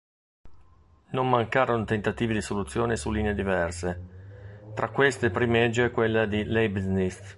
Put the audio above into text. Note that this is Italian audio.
Non mancarono tentativi dì soluzioni su linee diverse, tra queste primeggia quella di Leibniz.